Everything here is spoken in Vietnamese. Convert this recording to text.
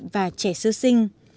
và trẻ sơ sinh